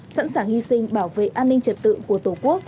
sẵn sàng hy sinh bảo vệ an ninh trật tự của tổ quốc